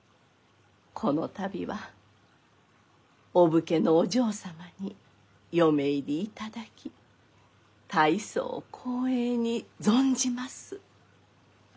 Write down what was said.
この度はお武家のお嬢様に嫁入りいただき大層光栄に存じます。